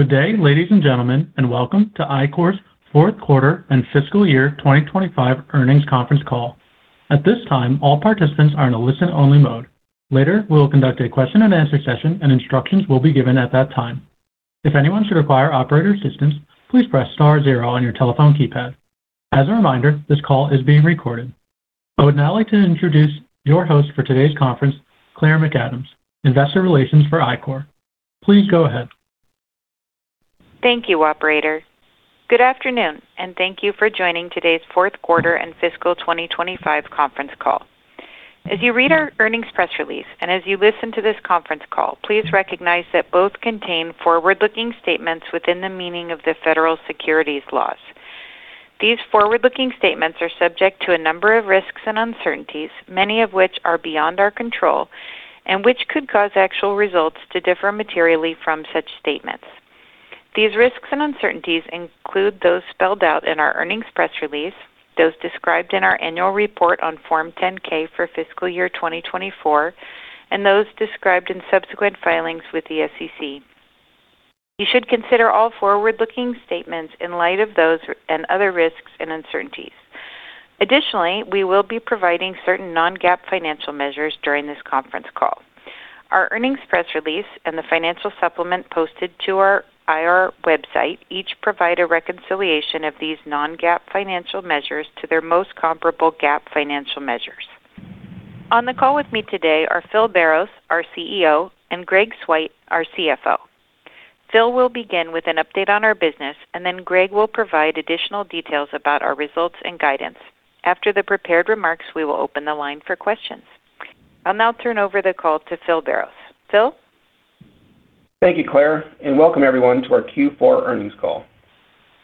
Good day, ladies and gentlemen, and welcome to Ichor's fourth quarter and fiscal year 2025 earnings conference call. At this time, all participants are in a listen-only mode. Later, we will conduct a question-and-answer session, and instructions will be given at that time. If anyone should require operator assistance, please press star zero on your telephone keypad. As a reminder, this call is being recorded. I would now like to introduce your host for today's conference, Claire McAdams, Investor Relations for Ichor. Please go ahead. Thank you, operator. Good afternoon, and thank you for joining today's fourth quarter and fiscal 2025 conference call. As you read our earnings press release, and as you listen to this conference call, please recognize that both contain forward-looking statements within the meaning of the federal securities laws. These forward-looking statements are subject to a number of risks and uncertainties, many of which are beyond our control, and which could cause actual results to differ materially from such statements. These risks and uncertainties include those spelled out in our earnings press release, those described in our annual report on Form 10-K for fiscal year 2024, and those described in subsequent filings with the SEC. You should consider all forward-looking statements in light of those and other risks and uncertainties. Additionally, we will be providing certain non-GAAP financial measures during this conference call. Our earnings press release and the financial supplement posted to our IR website each provide a reconciliation of these non-GAAP financial measures to their most comparable GAAP financial measures. On the call with me today are Phil Barros, our CEO, and Greg Swyt, our CFO. Phil will begin with an update on our business, and then Greg will provide additional details about our results and guidance. After the prepared remarks, we will open the line for questions. I'll now turn over the call to Phil Barros. Phil? Thank you, Claire, and welcome everyone to our Q4 earnings call.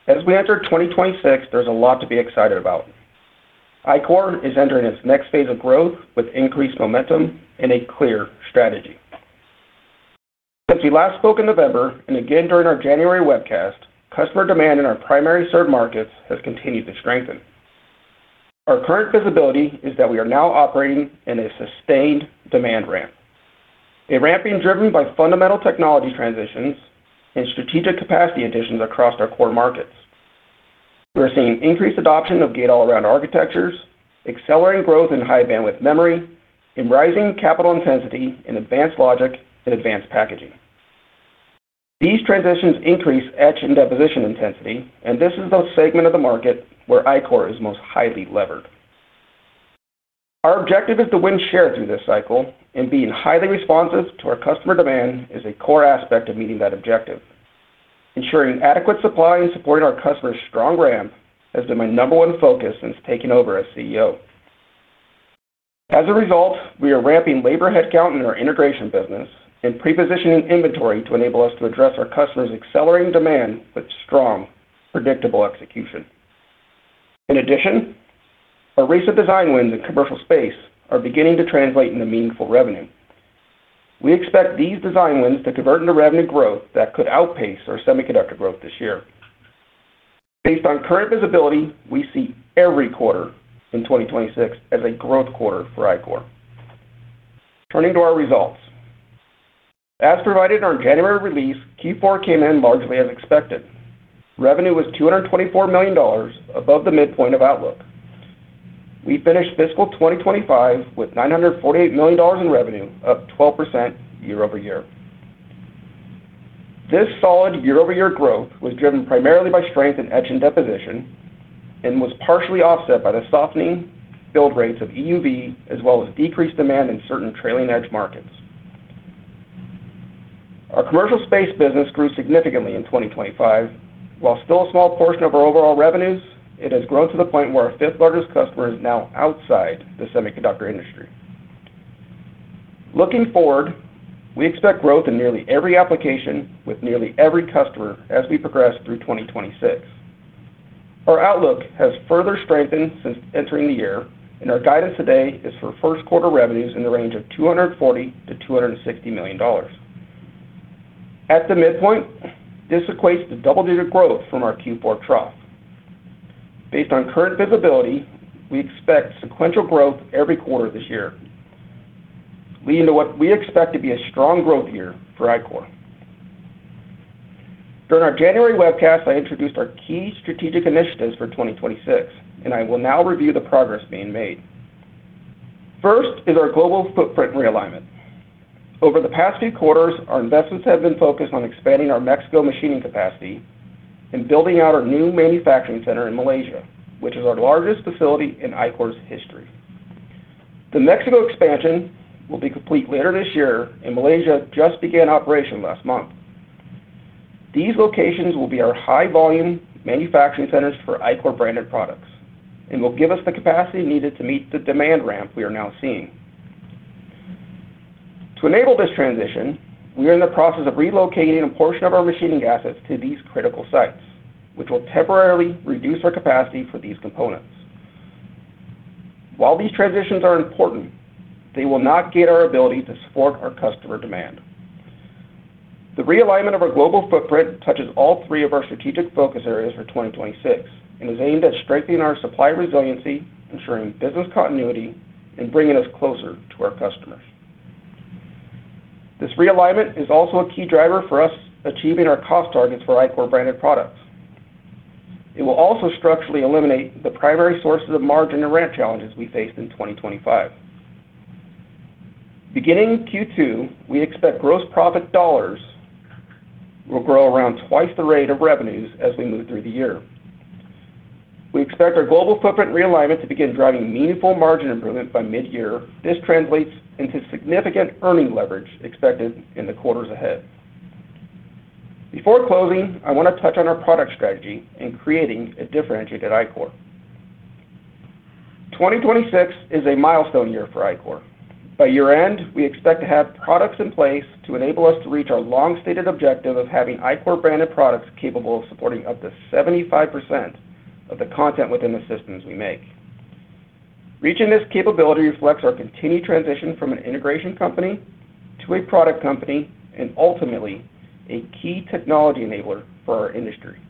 As we enter 2026, there's a lot to be excited about. Ichor is entering its next phase of growth with increased momentum and a clear strategy. Since we last spoke in November and again during our January webcast, customer demand in our primary served markets has continued to strengthen. Our current visibility is that we are now operating in a sustained demand ramp, a ramp being driven by fundamental technology transitions and strategic capacity additions across our core markets. We are seeing increased adoption of gate-all-around architectures, accelerating growth in high-bandwidth memory, and rising capital intensity in advanced logic and advanced packaging. These transitions increase etch and deposition intensity, and this is the segment of the market where Ichor is most highly levered. Our objective is to win share through this cycle, and being highly responsive to our customer demand is a core aspect of meeting that objective. Ensuring adequate supply and supporting our customers' strong ramp has been my number 1 focus since taking over as CEO. As a result, we are ramping labor headcount in our integration business and pre-positioning inventory to enable us to address our customers' accelerating demand with strong, predictable execution. In addition, our recent design wins in commercial space are beginning to translate into meaningful revenue. We expect these design wins to convert into revenue growth that could outpace our semiconductor growth this year. Based on current visibility, we see every quarter in 2026 as a growth quarter for Ichor. Turning to our results. As provided in our January release, Q4 came in largely as expected. Revenue was $224 million above the midpoint of outlook. We finished fiscal 2025 with $948 million in revenue, up 12% year-over-year. This solid year-over-year growth was driven primarily by strength in etch and deposition and was partially offset by the softening build rates of EUV, as well as decreased demand in certain trailing edge markets. Our commercial space business grew significantly in 2025. While still a small portion of our overall revenues, it has grown to the point where our fifth-largest customer is now outside the semiconductor industry. Looking forward, we expect growth in nearly every application with nearly every customer as we progress through 2026. Our outlook has further strengthened since entering the year, and our guidance today is for first quarter revenues in the range of $240 million-$260 million. At the midpoint, this equates to double-digit growth from our Q4 trough. Based on current visibility, we expect sequential growth every quarter this year, leading to what we expect to be a strong growth year for Ichor. During our January webcast, I introduced our key strategic initiatives for 2026, and I will now review the progress being made. First is our global footprint realignment. Over the past few quarters, our investments have been focused on expanding our Mexico machining capacity and building out our new manufacturing center in Malaysia, which is our largest facility in Ichor's history. The Mexico expansion will be complete later this year, and Malaysia just began operation last month. These locations will be our high-volume manufacturing centers for Ichor-branded products and will give us the capacity needed to meet the demand ramp we are now seeing. To enable this transition, we are in the process of relocating a portion of our machining assets to these critical sites, which will temporarily reduce our capacity for these components. While these transitions are important, they will not gate our ability to support our customer demand. The realignment of our global footprint touches all three of our strategic focus areas for 2026 and is aimed at strengthening our supply resiliency, ensuring business continuity, and bringing us closer to our customers. This realignment is also a key driver for us achieving our cost targets for Ichor-branded products. It will also structurally eliminate the primary sources of margin and ramp challenges we faced in 2025. Beginning Q2, we expect gross profit dollars will grow around twice the rate of revenues as we move through the year. We expect our global footprint realignment to begin driving meaningful margin improvement by mid-year. This translates into significant earning leverage expected in the quarters ahead. Before closing, I want to touch on our product strategy in creating a differentiated Ichor. 2026 is a milestone year for Ichor. By year-end, we expect to have products in place to enable us to reach our long-stated objective of having Ichor-branded products capable of supporting up to 75% of the content within the systems we make. Reaching this capability reflects our continued transition from an integration company to a product company and ultimately a key technology enabler for our industry.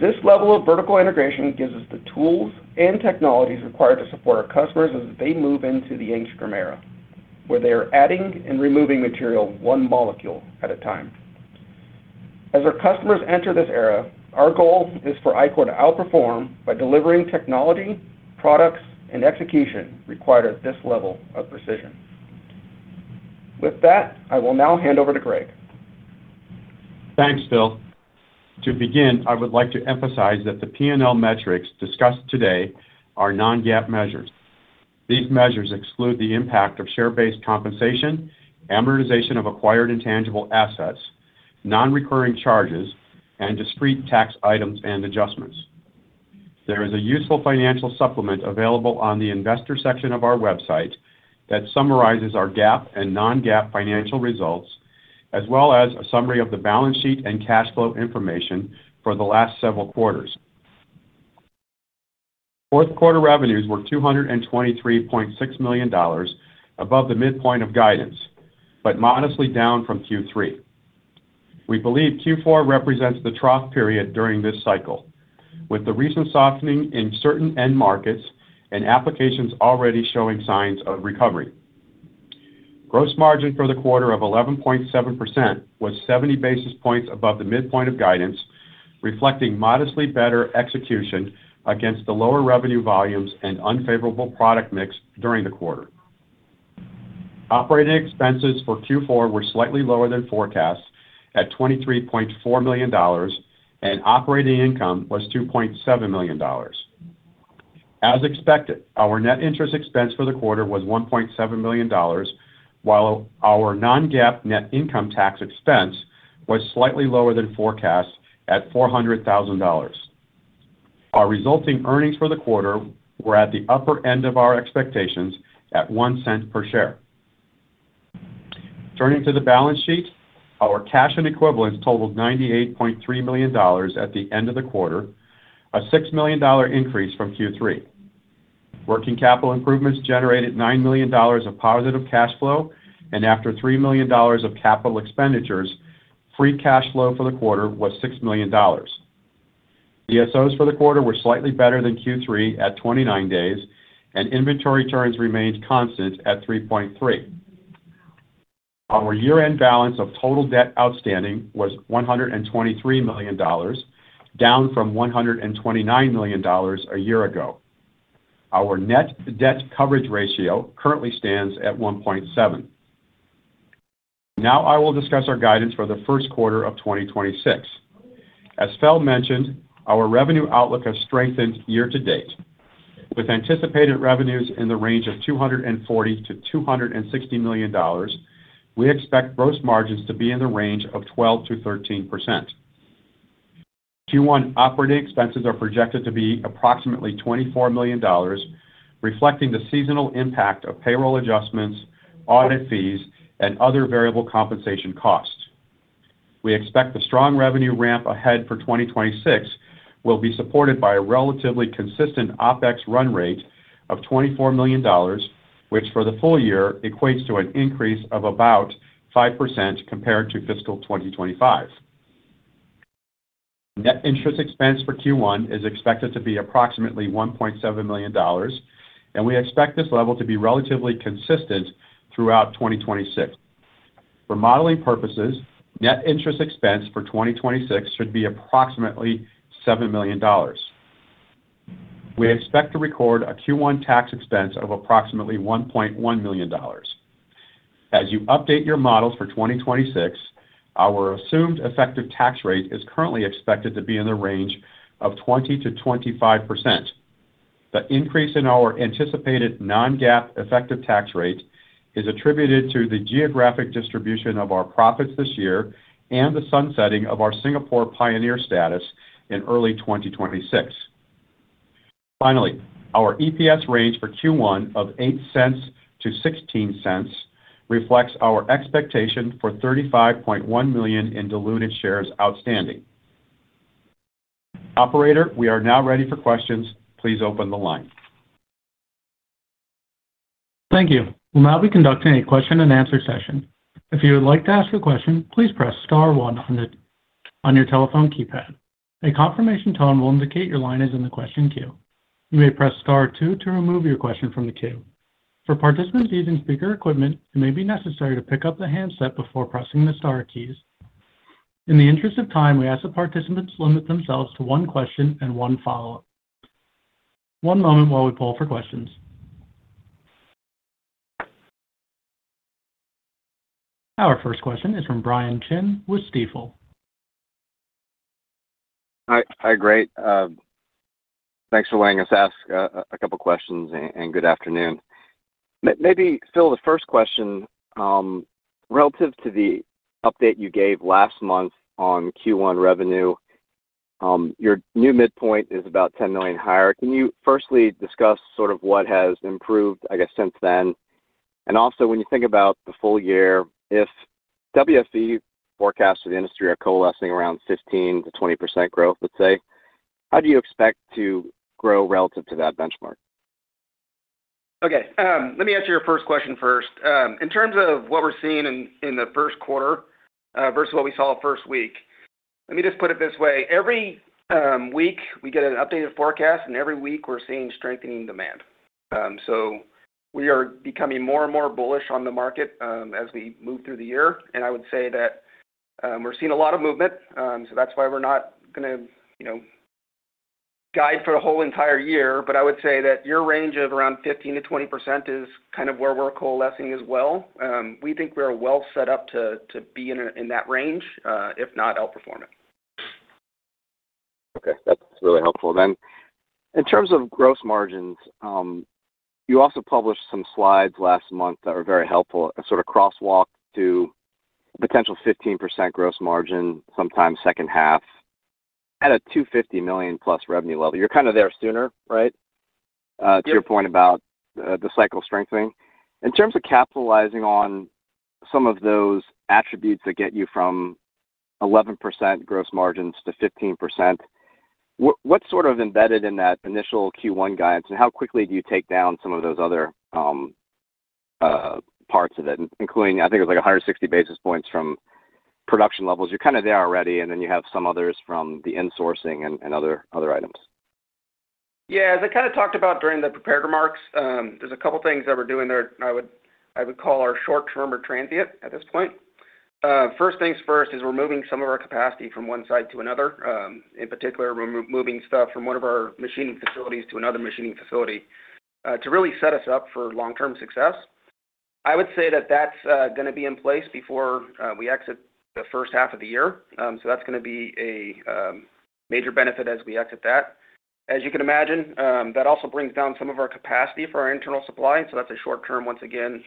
This level of vertical integration gives us the tools and technologies required to support our customers as they move into the Angstrom Era, where they are adding and removing material one molecule at a time. As our customers enter this era, our goal is for Ichor to outperform by delivering technology, products, and execution required at this level of precision. With that, I will now hand over to Greg. Thanks, Phil. To begin, I would like to emphasize that the P&L metrics discussed today are non-GAAP measures. These measures exclude the impact of share-based compensation, amortization of acquired intangible assets, non-recurring charges, and discrete tax items and adjustments. There is a useful financial supplement available on the investor section of our website that summarizes our GAAP and non-GAAP financial results, as well as a summary of the balance sheet and cash flow information for the last several quarters. Fourth quarter revenues were $223.6 million, above the midpoint of guidance, but modestly down from Q3. We believe Q4 represents the trough period during this cycle, with the recent softening in certain end markets and applications already showing signs of recovery. Gross margin for the quarter of 11.7% was 70 basis points above the midpoint of guidance, reflecting modestly better execution against the lower revenue volumes and unfavorable product mix during the quarter. Operating expenses for Q4 were slightly lower than forecast, at $23.4 million, and operating income was $2.7 million. As expected, our net interest expense for the quarter was $1.7 million, while our non-GAAP net income tax expense was slightly lower than forecast at $400,000. Our resulting earnings for the quarter were at the upper end of our expectations at $0.01 per share. Turning to the balance sheet, our cash and equivalents totaled $98.3 million at the end of the quarter, a $6 million increase from Q3. Working capital improvements generated $9 million of positive cash flow, and after $3 million of capital expenditures, free cash flow for the quarter was $6 million. DSOs for the quarter were slightly better than Q3 at 29 days, and inventory turns remained constant at 3.3. Our year-end balance of total debt outstanding was $123 million, down from $129 million a year ago. Our net debt coverage ratio currently stands at 1.7. Now I will discuss our guidance for the first quarter of 2026. As Phil mentioned, our revenue outlook has strengthened year to date, with anticipated revenues in the range of $240 million-$260 million. We expect gross margins to be in the range of 12%-13%. Q1 operating expenses are projected to be approximately $24 million, reflecting the seasonal impact of payroll adjustments, audit fees, and other variable compensation costs. We expect the strong revenue ramp ahead for 2026 will be supported by a relatively consistent OpEx run rate of $24 million, which, for the full year, equates to an increase of about 5% compared to fiscal 2025. Net interest expense for Q1 is expected to be approximately $1.7 million, and we expect this level to be relatively consistent throughout 2026. For modeling purposes, net interest expense for 2026 should be approximately $7 million. We expect to record a Q1 tax expense of approximately $1.1 million. As you update your models for 2026, our assumed effective tax rate is currently expected to be in the range of 20%-25%. The increase in our anticipated non-GAAP effective tax rate is attributed to the geographic distribution of our profits this year and the sunsetting of our Singapore pioneer status in early 2026. Finally, our EPS range for Q1 of $0.08-$0.16 reflects our expectation for 35.1 million in diluted shares outstanding. Operator, we are now ready for questions. Please open the line. Thank you. We'll now be conducting a question-and-answer session. If you would like to ask a question, please press star one on your telephone keypad. A confirmation tone will indicate your line is in the question queue. You may press star two to remove your question from the queue. For participants using speaker equipment, it may be necessary to pick up the handset before pressing the star keys. In the interest of time, we ask that participants limit themselves to one question and one follow-up. One moment while we poll for questions. Our first question is from Brian Chin with Stifel. Hi. Hi, great. Thanks for letting us ask a couple questions, and good afternoon. Maybe, Phil, the first question, relative to the update you gave last month on Q1 revenue, your new midpoint is about $10 million higher. Can you firstly discuss sort of what has improved, I guess, since then? And also, when you think about the full year, if WFE forecasts for the industry are coalescing around 15%-20% growth, let's say, how do you expect to grow relative to that benchmark? Okay, let me answer your first question first. In terms of what we're seeing in the first quarter versus what we saw the first week, let me just put it this way, every week we get an updated forecast, and every week we're seeing strengthening demand. So we are becoming more and more bullish on the market as we move through the year. And I would say that we're seeing a lot of movement, so that's why we're not gonna, you know, guide for the whole entire year. But I would say that your range of around 15%-20% is kind of where we're coalescing as well. We think we're well set up to be in that range, if not outperform it. Okay, that's really helpful. Then, in terms of gross margins, you also published some slides last month that were very helpful, a sort of crosswalk to potential 15% gross margin, sometime second half at a $250 million plus revenue level. You're kind of there sooner, right? Yep. To your point about the cycle strengthening. In terms of capitalizing on some of those attributes that get you from 11%-15% gross margins, what's sort of embedded in that initial Q1 guidance, and how quickly do you take down some of those other parts of it, including, I think, it was, like, 160 basis points from production levels? You're kind of there already, and then you have some others from the insourcing and other items. Yeah. As I kind of talked about during the prepared remarks, there's a couple things that we're doing there I would call our short-term or transient at this point. First things first, is we're moving some of our capacity from one site to another. In particular, we're moving stuff from one of our machining facilities to another machining facility, to really set us up for long-term success. I would say that that's gonna be in place before we exit the first half of the year. So that's gonna be a major benefit as we exit that. As you can imagine, that also brings down some of our capacity for our internal supply, so that's a short-term, once again,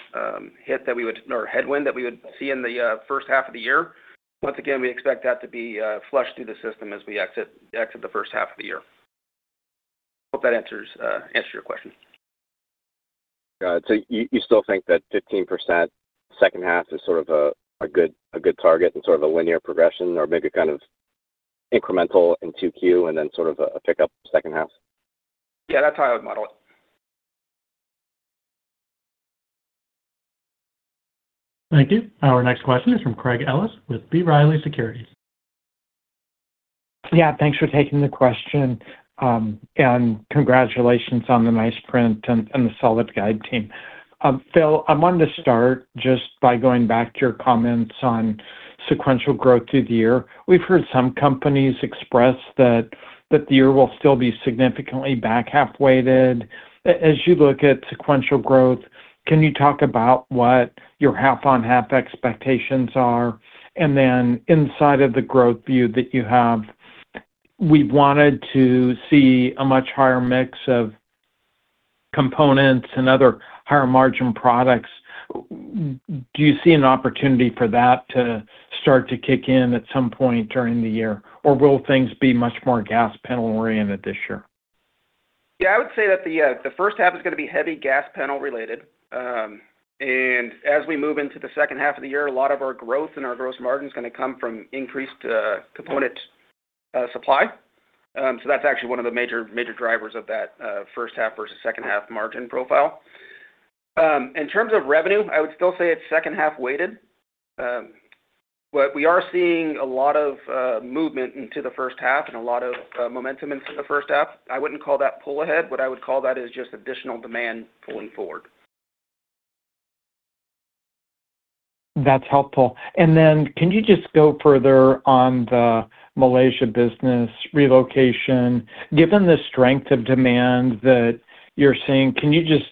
headwind that we would see in the first half of the year. Once again, we expect that to be flushed through the system as we exit the first half of the year. Hope that answers your question. Got it. So you still think that 15% second half is sort of a good target and sort of a linear progression or maybe kind of incremental in 2Q and then sort of a pickup second half? Yeah, that's how I would model it. Thank you. Our next question is from Craig Ellis with B. Riley Securities. Yeah, thanks for taking the question, and congratulations on the nice print and the solid guide team. Phil, I wanted to start just by going back to your comments on sequential growth through the year. We've heard some companies express that the year will still be significantly back half-weighted. As you look at sequential growth, can you talk about what your half-on-half expectations are? And then inside of the growth view that you have, we wanted to see a much higher mix of components and other higher margin products. Do you see an opportunity for that to start to kick in at some point during the year, or will things be much more gas panel-oriented this year? Yeah, I would say that the first half is gonna be heavy gas panel related. And as we move into the second half of the year, a lot of our growth and our gross margin is gonna come from increased component supply. So that's actually one of the major, major drivers of that first half versus second half margin profile. In terms of revenue, I would still say it's second half weighted. But we are seeing a lot of movement into the first half and a lot of momentum into the first half. I wouldn't call that pull ahead. What I would call that is just additional demand pulling forward. That's helpful. And then, can you just go further on the Malaysia business relocation? Given the strength of demand that you're seeing, can you just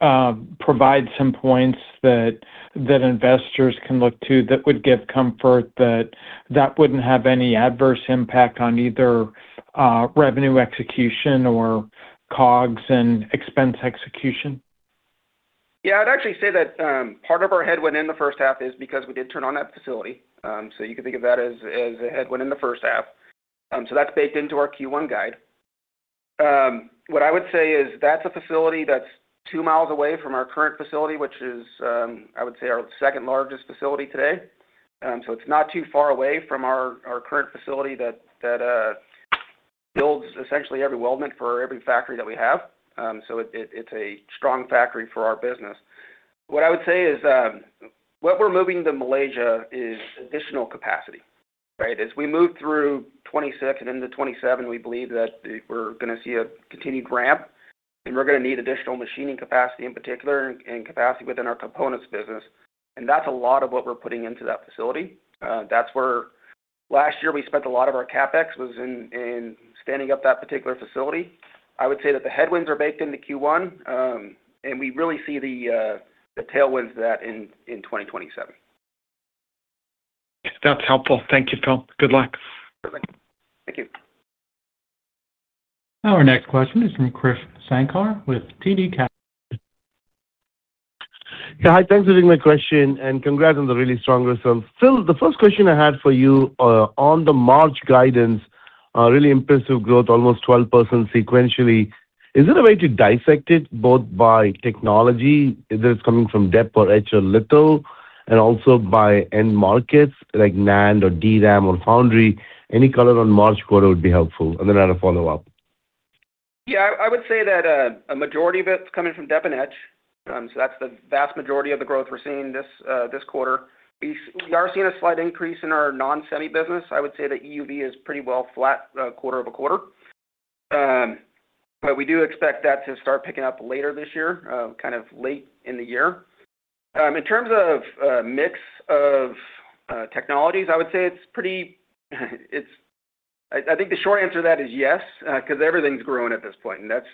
provide some points that investors can look to that would give comfort that that wouldn't have any adverse impact on either revenue execution or COGS and expense execution? Yeah, I'd actually say that, part of our headwind in the first half is because we did turn on that facility. So you can think of that as, as a headwind in the first half. So that's baked into our Q1 guide. What I would say is that's a facility that's two miles away from our current facility, which is, I would say, our second largest facility today. So it's not too far away from our current facility that essentially every weldment for every factory that we have. So it, it's a strong factory for our business. What I would say is, what we're moving to Malaysia is additional capacity, right? As we move through 2026 and into 2027, we believe that we're going to see a continued ramp, and we're going to need additional machining capacity, in particular, and capacity within our components business, and that's a lot of what we're putting into that facility. That's where last year we spent a lot of our CapEx, was in standing up that particular facility. I would say that the headwinds are baked into Q1, and we really see the tailwinds of that in 2027. That's helpful. Thank you, Phil. Good luck. Perfect. Thank you. Our next question is from Krish Sankar with TD Cowen. Yeah, hi. Thanks for taking my question, and congrats on the really strong results. Phil, the first question I had for you, on the March guidance, really impressive growth, almost 12% sequentially. Is there a way to dissect it, both by technology, if it's coming from dep or etch or litho, and also by end markets like NAND or DRAM or Foundry? Any color on March quarter would be helpful. And then I have a follow-up. Yeah, I would say that a majority of it's coming from dep and etch. So that's the vast majority of the growth we're seeing this quarter. We are seeing a slight increase in our non-semi business. I would say that EUV is pretty well flat quarter-over-quarter. But we do expect that to start picking up later this year, kind of late in the year. In terms of mix of technologies, I think the short answer to that is yes, because everything's growing at this point, and that's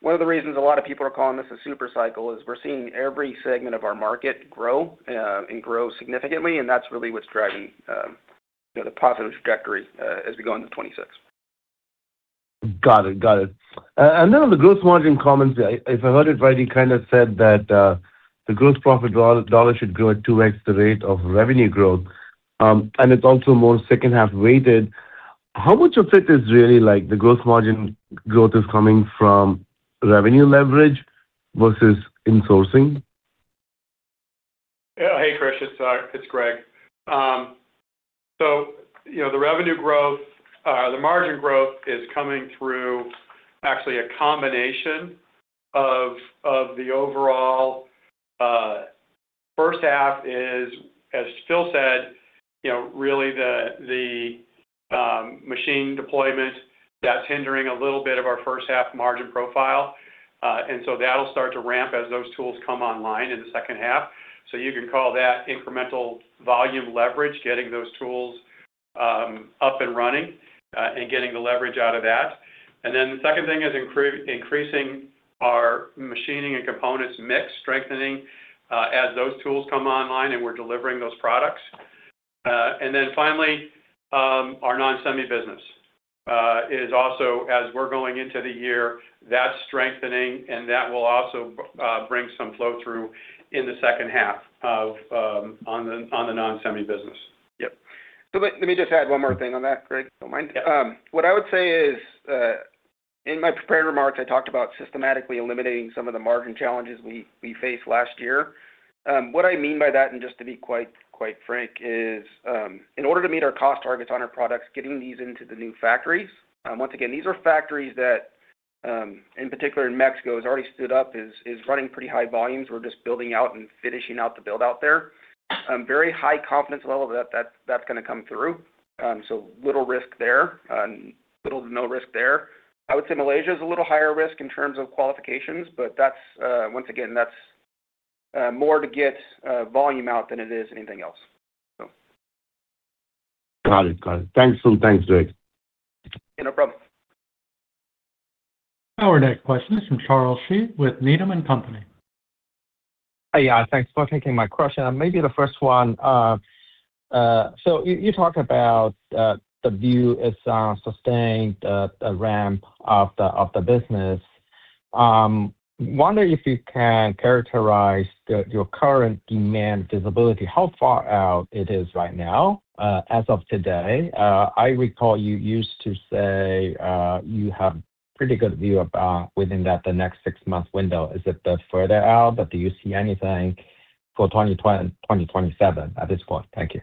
one of the reasons a lot of people are calling this a super cycle, is we're seeing every segment of our market grow, and grow significantly, and that's really what's driving you know the positive trajectory as we go into 2026. Got it. Got it. And then on the gross margin comments, if I heard it right, you kind of said that the gross profit dollar should grow at 2x the rate of revenue growth, and it's also more second half weighted. How much of it is really, like, the gross margin growth is coming from revenue leverage versus insourcing? Yeah. Hey, Krish, it's Greg. So you know, the revenue growth, the margin growth is coming through actually a combination of the overall first half is, as Phil said, you know, really the machine deployment, that's hindering a little bit of our first half margin profile. And so that'll start to ramp as those tools come online in the second half. So you can call that incremental volume leverage, getting those tools up and running, and getting the leverage out of that. And then the second thing is increasing our machining and components mix, strengthening, as those tools come online and we're delivering those products. And then finally, our non-semi business is also, as we're going into the year, that's strengthening, and that will also bring some flow-through in the second half of the non-semi business. Yep. So let me just add one more thing on that, Greg, if you don't mind. Yeah. What I would say is, in my prepared remarks, I talked about systematically eliminating some of the margin challenges we, we faced last year. What I mean by that, and just to be quite, quite frank, is, in order to meet our cost targets on our products, getting these into the new factories, once again, these are factories that, in particular in Mexico, has already stood up, is, is running pretty high volumes. We're just building out and finishing out the build out there. Very high confidence level that, that's going to come through. So little risk there, and little to no risk there. I would say Malaysia is a little higher risk in terms of qualifications, but that's, once again, that's, more to get, volume out than it is anything else, so. Got it. Got it. Thanks, Phil. Thanks, Greg. Yeah, no problem. Our next question is from Charles Shi with Needham and Company. Hey, yeah, thanks for taking my question. Maybe the first one, so you talked about the view is sustained the ramp of the business. Wondering if you can characterize your current demand visibility, how far out it is right now, as of today? I recall you used to say you have pretty good view about within that the next six-month window. Is it further out, but do you see anything for 2027 at this point? Thank you.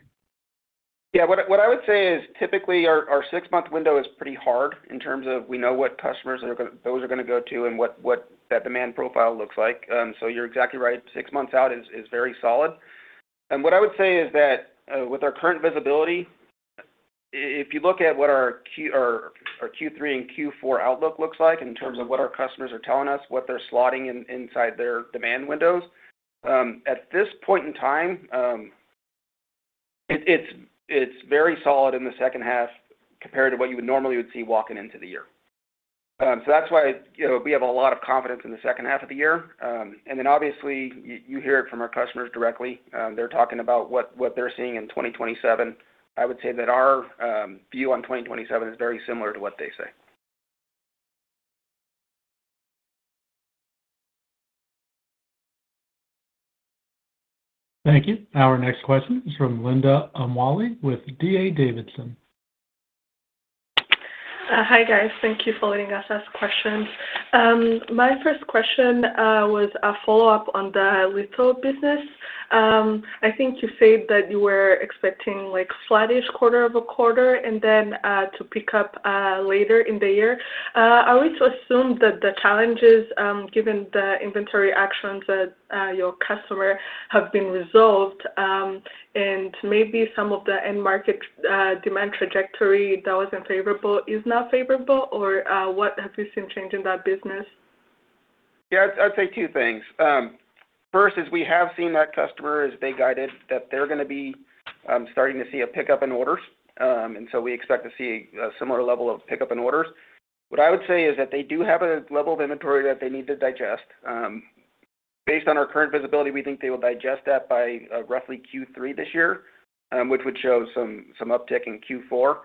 Yeah, what I would say is, typically, our six-month window is pretty hard in terms of we know what customers those are going to go to and what that demand profile looks like. So you're exactly right, six months out is very solid. And what I would say is that, with our current visibility, if you look at what our Q3 and Q4 outlook looks like in terms of what our customers are telling us, what they're slotting inside their demand windows, at this point in time, it's very solid in the second half compared to what you would normally see walking into the year. So that's why, you know, we have a lot of confidence in the second half of the year. And then obviously, you hear it from our customers directly. They're talking about what they're seeing in 2027. I would say that our view on 2027 is very similar to what they say. Thank you. Our next question is from Linda Umwali with D.A. Davidson. Hi, guys. Thank you for letting us ask questions. My first question was a follow-up on the litho business. I think you said that you were expecting like flattish quarter-over-quarter, and then to pick up later in the year. I always assumed that the challenges, given the inventory actions that your customer have been resolved, and maybe some of the end market demand trajectory that was unfavorable is now favorable, or what have you seen change in that business? Yeah, I'd say two things. First is we have seen that customer, as they guided, that they're gonna be starting to see a pickup in orders. And so we expect to see a similar level of pickup in orders. What I would say is that they do have a level of inventory that they need to digest. Based on our current visibility, we think they will digest that by roughly Q3 this year, which would show some uptick in Q4.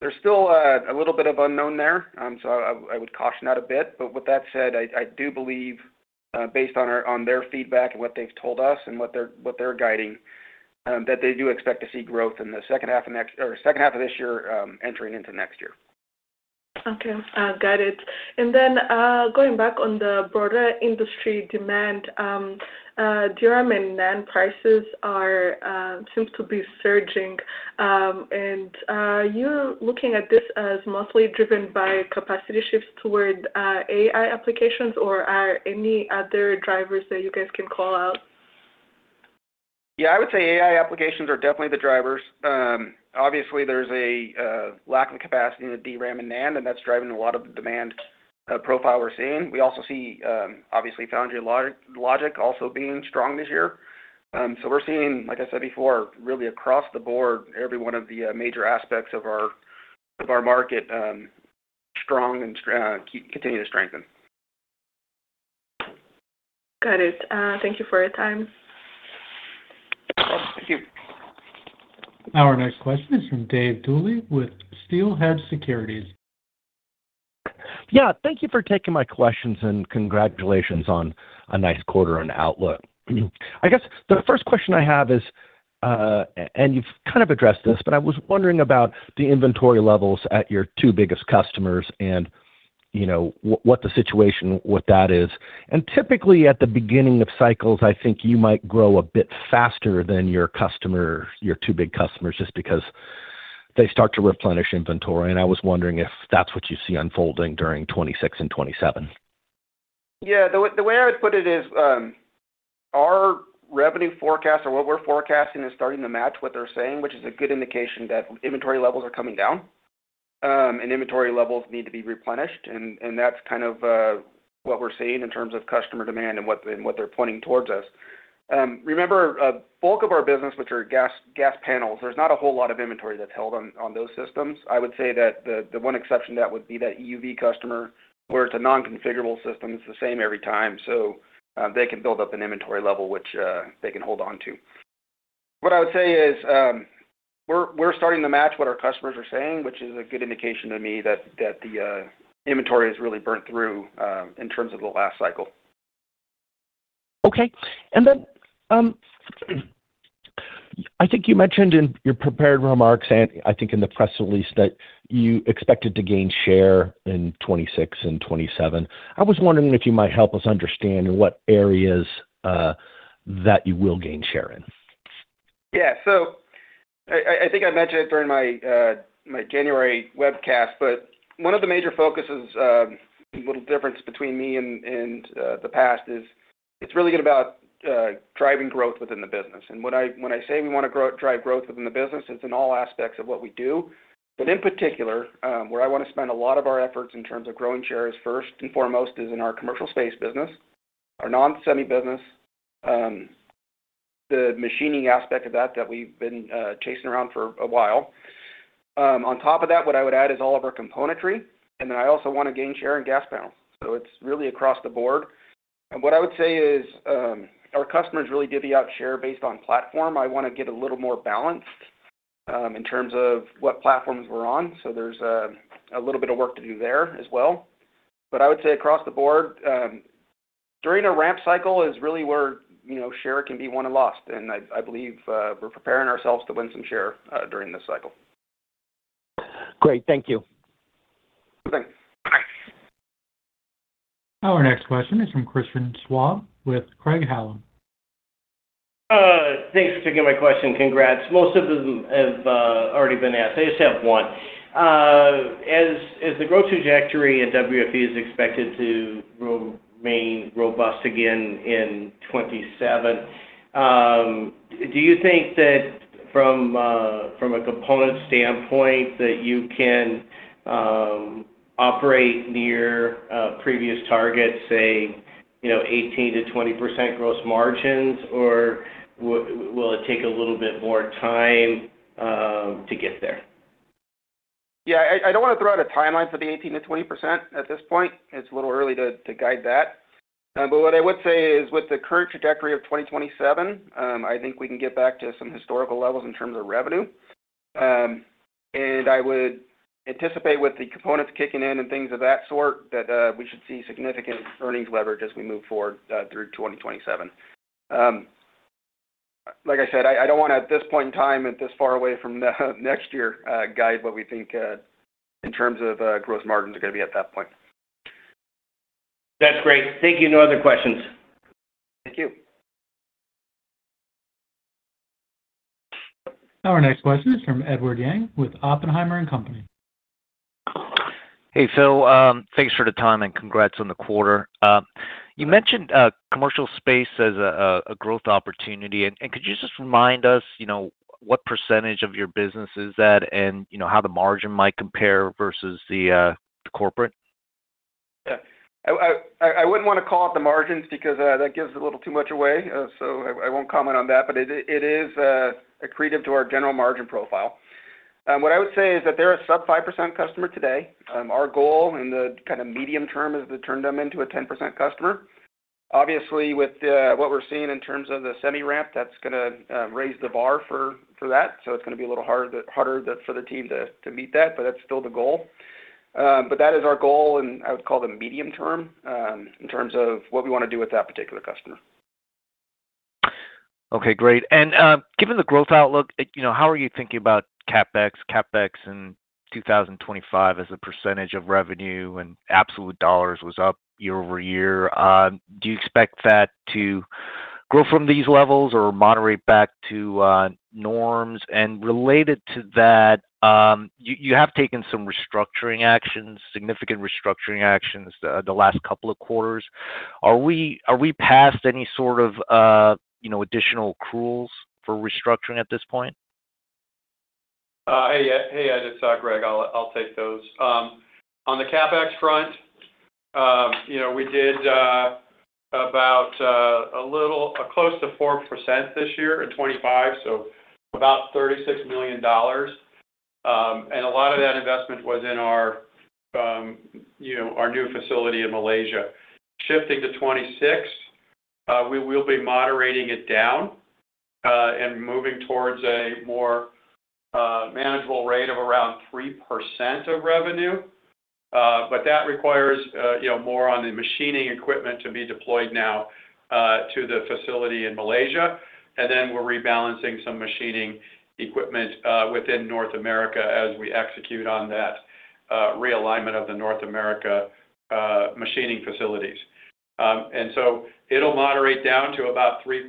There's still a little bit of unknown there, so I would caution that a bit. But with that said, I, I do believe, based on their feedback and what they've told us and what they're guiding, that they do expect to see growth in the second half of next-- or second half of this year, entering into next year. Okay, got it. And then, going back on the broader industry demand, DRAM and NAND prices are, seems to be surging. And, you're looking at this as mostly driven by capacity shifts toward, AI applications, or are any other drivers that you guys can call out? Yeah, I would say AI applications are definitely the drivers. Obviously, there's a lack of capacity in the DRAM and NAND, and that's driving a lot of the demand profile we're seeing. We also see, obviously, foundry logic, logic also being strong this year. So we're seeing, like I said before, really across the board, every one of the major aspects of our, of our market, strong and continue to strengthen. Got it. Thank you for your time. Thank you. Our next question is from David Duley with Steelhead Securities. Yeah, thank you for taking my questions, and congratulations on a nice quarter on outlook. I guess the first question I have is, and you've kind of addressed this, but I was wondering about the inventory levels at your two biggest customers and, you know, what, what the situation with that is. And typically, at the beginning of cycles, I think you might grow a bit faster than your customer, your two big customers, just because they start to replenish inventory, and I was wondering if that's what you see unfolding during 2026 and 2027. Yeah, the way I would put it is, our revenue forecast or what we're forecasting is starting to match what they're saying, which is a good indication that inventory levels are coming down, and inventory levels need to be replenished. And that's kind of what we're seeing in terms of customer demand and what they're pointing towards us. Remember, bulk of our business, which are Gas Panels, there's not a whole lot of inventory that's held on those systems. I would say that the one exception to that would be that EUV customer, where it's a non-configurable system, it's the same every time, so they can build up an inventory level, which they can hold on to. What I would say is, we're starting to match what our customers are saying, which is a good indication to me that the inventory is really burnt through, in terms of the last cycle. Okay. And then, I think you mentioned in your prepared remarks, and I think in the press release, that you expected to gain share in 2026 and 2027. I was wondering if you might help us understand in what areas that you will gain share in? Yeah. So I think I mentioned it during my January webcast, but one of the major focuses, a little difference between me and the past is it's really about driving growth within the business. And when I say we wanna drive growth within the business, it's in all aspects of what we do. But in particular, where I want to spend a lot of our efforts in terms of growing shares, first and foremost, is in our commercial space business, our non-semi business, the machining aspect of that we've been chasing around for a while. On top of that, what I would add is all of our componentry, and then I also want to gain share in gas panel. So it's really across the board. What I would say is, our customers really divvy out share based on platform. I want to get a little more balanced in terms of what platforms we're on, so there's a little bit of work to do there as well. I would say across the board, during a ramp cycle is really where, you know, share can be won and lost, and I believe we're preparing ourselves to win some share during this cycle. Great. Thank you. Thanks. Bye. Our next question is from Christian Schwab, with Craig-Hallum. Thanks for taking my question, congrats. Most of them have already been asked. I just have one. As the growth trajectory at WFE is expected to remain robust again in 2027, do you think that from a component standpoint, that you can operate near previous targets, say, you know, 18%-20% gross margins, or will it take a little bit more time to get there? Yeah, I don't want to throw out a timeline for the 18%-20% at this point. It's a little early to guide that. But what I would say is, with the current trajectory of 2027, I think we can get back to some historical levels in terms of revenue. And I would anticipate with the components kicking in and things of that sort, that we should see significant earnings leverage as we move forward through 2027. Like I said, I don't want to, at this point in time, at this far away from the next year, guide what we think in terms of gross margins are gonna be at that point. That's great. Thank you. No other questions. Thank you. Our next question is from Edward Yang with Oppenheimer and Company. Hey, Phil, thanks for the time, and congrats on the quarter. You mentioned commercial space as a growth opportunity, and could you just remind us, you know, what percentage of your business is that and, you know, how the margin might compare versus the corporate? Yeah. I wouldn't want to call out the margins because that gives a little too much away, so I won't comment on that. But it is accretive to our general margin profile. What I would say is that they're a sub 5% customer today. Our goal in the kind of medium term is to turn them into a 10% customer. Obviously, with what we're seeing in terms of the semi ramp, that's gonna raise the bar for that, so it's gonna be a little harder for the team to meet that, but that's still the goal. But that is our goal, and I would call them medium term in terms of what we wanna do with that particular customer. Okay, great. And, given the growth outlook, you know, how are you thinking about CapEx? CapEx in 2025 as a percentage of revenue and absolute dollars was up year-over-year. Do you expect that to grow from these levels or moderate back to norms? And related to that, you have taken some restructuring actions, significant restructuring actions, the last couple of quarters. Are we past any sort of, you know, additional accruals for restructuring at this point? Hey, Ed, it's Greg. I'll take those. On the CapEx front, you know, we did about a little close to 4% this year in 2025, so about $36 million. And a lot of that investment was in our, you know, our new facility in Malaysia. Shifting to 2026, we will be moderating it down and moving towards a more manageable rate of around 3% of revenue. But that requires, you know, more on the machining equipment to be deployed now to the facility in Malaysia. And then we're rebalancing some machining equipment within North America as we execute on that realignment of the North America machining facilities. And so it'll moderate down to about 3%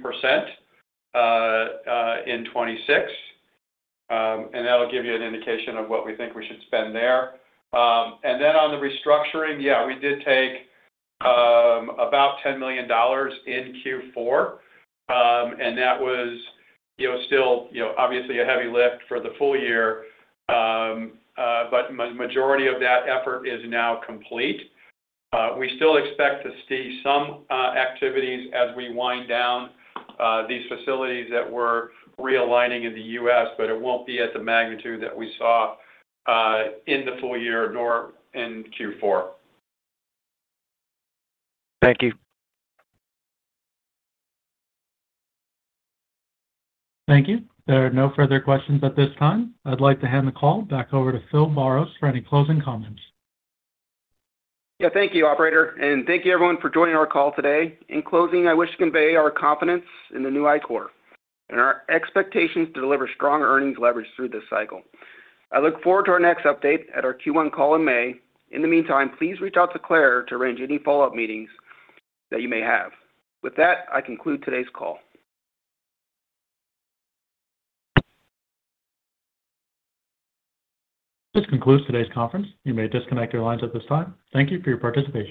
in 2026, and that'll give you an indication of what we think we should spend there. And then on the restructuring, yeah, we did take about $10 million in Q4, and that was, you know, still, you know, obviously a heavy lift for the full year. But majority of that effort is now complete. We still expect to see some activities as we wind down these facilities that we're realigning in the U.S., but it won't be at the magnitude that we saw in the full year, nor in Q4. Thank you. Thank you. There are no further questions at this time. I'd like to hand the call back over to Phil Barros for any closing comments. Yeah. Thank you, operator, and thank you everyone for joining our call today. In closing, I wish to convey our confidence in the new Ichor and our expectations to deliver strong earnings leverage through this cycle. I look forward to our next update at our Q1 call in May. In the meantime, please reach out to Claire to arrange any follow-up meetings that you may have. With that, I conclude today's call. This concludes today's conference. You may disconnect your lines at this time. Thank you for your participation.